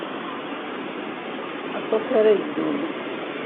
Aṭas ara yeddun.